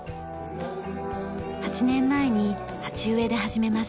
８年前に鉢植えで始めました。